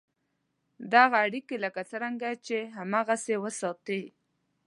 دغه اړیکي لکه څرنګه دي هغسې وساتې.